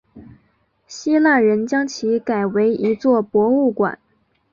希腊人将其改为一座博物馆。